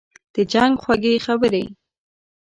« د جنګ خوږې خبري